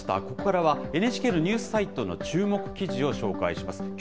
ここからはＮＨＫのニュースサイトの注目記事を紹介します。